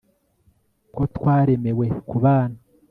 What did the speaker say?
ko twaremewe kubana